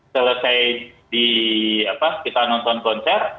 selesai di apa kita nonton konser